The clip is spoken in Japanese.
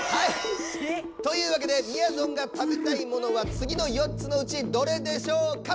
というわけでみやぞんが食べたいものはつぎの４つのうちどれでしょうか？